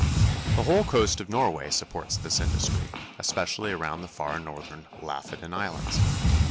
The whole coast of Norway supports this industry, especially around the far northern Lafoden Islands.